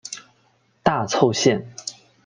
大凑线。